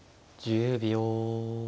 １０秒。